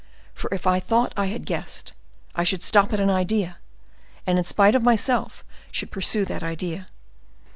—for if I thought I had guessed, I should stop at an idea, and, in spite of myself, should pursue that idea.